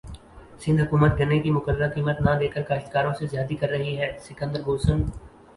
سندھ حکومت گنے کی مقررہ قیمت نہ دیکر کاشتکاروں سے زیادتی کر رہی ہے سکندر بوسن